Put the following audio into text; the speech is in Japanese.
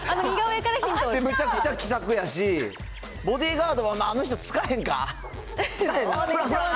むちゃくちゃ気さくやし、ボディーガードはあの人、つかへんか。